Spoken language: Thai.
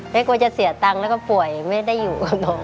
ไม่กลัวจะเสียตังค์แล้วก็ป่วยไม่ได้อยู่